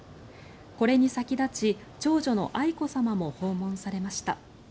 これに先立ち、長女の愛子さまも訪問されました。